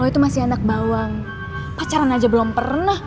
itu masih anak bawang pacaran aja belum pernah